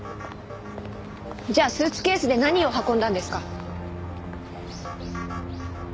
じゃあスーツケースで何を運んだんですか？